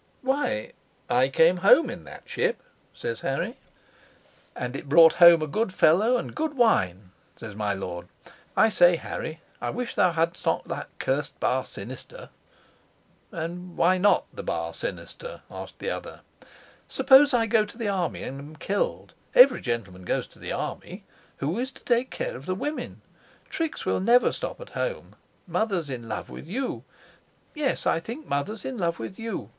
"Why, I came home in that ship," says Harry. "And it brought home a good fellow and good wine," says my lord. "I say, Harry, I wish thou hadst not that cursed bar sinister." "And why not the bar sinister?" asks the other. "Suppose I go to the army and am killed every gentleman goes to the army who is to take care of the women? Trix will never stop at home; mother's in love with you, yes, I think mother's in love with you.